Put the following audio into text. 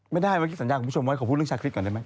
ไม่ได้เมื่อกี้สัญญาคุณผู้ชมไว้ขอพูดเรื่องชาคริสก่อนได้ไหม